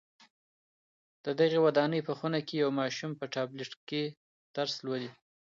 د دغي ودانۍ په خونه کي یو ماشوم په ټابلېټ کي درس لولي.